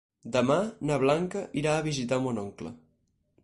Demà na Blanca irà a visitar mon oncle.